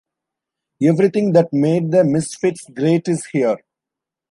Everything that made the Misfits great is here...